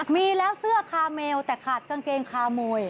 มีแล้วเสื้อคาเมลแต่ขาดกางเกงคามวย